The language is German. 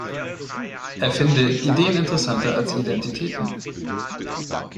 Er finde „Ideen interessanter als Identitäten“.